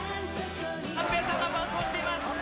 寛平さんが伴走しています。